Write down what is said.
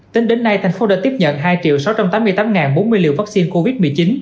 tính đến nay thành phố đã tiếp nhận hai sáu trăm tám mươi tám bốn mươi liều vaccine covid một mươi chín